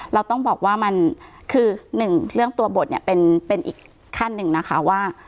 เราต้องบอกว่ามันคือหนึ่งเรื่องตัวบทเนี่ยเป็นอีกขั้นหนึ่งนะคะว่า